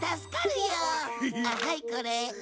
あっはいこれ。